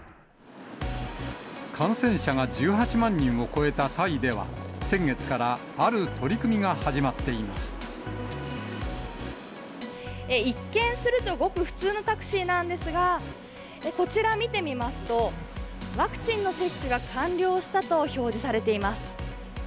感染者が１８万人を超えたタイでは、先月から、ある取り組みが始一見すると、ごく普通のタクシーなんですが、こちら、見てみますと、ワクチンの接種が完了したと表示されています。